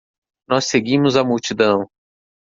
Nós seguimos a multidão